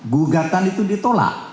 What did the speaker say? gugatan itu ditolak